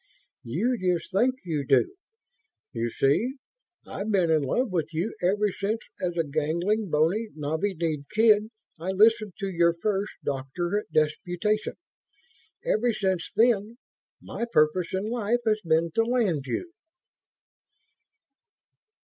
"You just think you do. You see, I've been in love with you ever since, as a gangling, bony, knobby kneed kid, I listened to your first doctorate disputation. Ever since then, my purpose in life has been to land you."